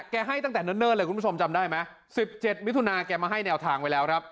ให้ตั้งแต่เนิ่นเลยคุณผู้ชมจำได้ไหม๑๗มิถุนาแกมาให้แนวทางไว้แล้วครับ